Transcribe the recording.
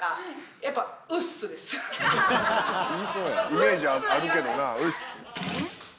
イメージあるけどなうっす。